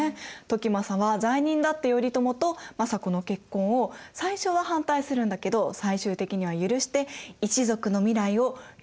時政は罪人だった頼朝と政子の結婚を最初は反対するんだけど最終的には許して一族の未来を頼朝に懸けました。